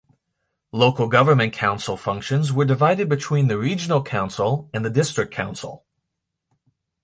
Local government council functions were divided between the regional council and the district council.